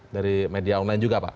dari media online juga pak